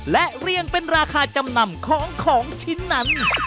และเรียงเป็นราคาจำนำของของชิ้นนั้น